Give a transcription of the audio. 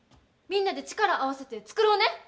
みんなで力合わせて作ろうね！